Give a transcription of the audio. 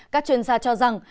các chuyên gia cho rằng